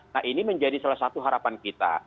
nah ini menjadi salah satu harapan kita